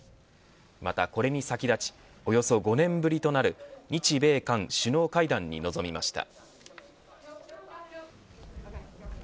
またこれに先立ちおよそ５年ぶりとなる日米韓首脳会談に臨みました。